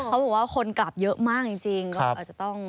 เขาบอกว่าคนกลับเยอะมากจริง